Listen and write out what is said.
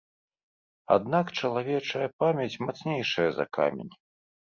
Аднак чалавечая памяць мацнейшая за камень.